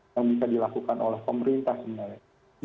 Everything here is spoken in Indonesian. yang bisa dilakukan oleh pemerintah sebenarnya